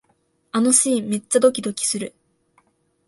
あのシーン、めっちゃドキドキする